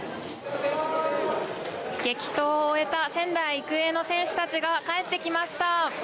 激闘を終えた仙台育英の選手たちが帰ってきました。